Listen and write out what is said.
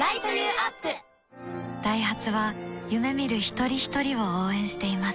ダイハツは夢見る一人ひとりを応援しています